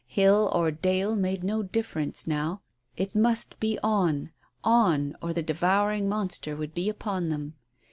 Hill or dale made no difference now. It must be on on, or the devouring monster would be upon them.